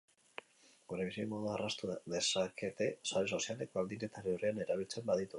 Gure bizimodua erraztu dezakete sare sozialek, baldin eta neurrian erabiltzen baditugu.